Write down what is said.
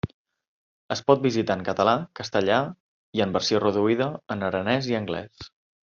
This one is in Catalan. Es pot visitar en català, castellà, i en versió reduïda, en aranès i anglès.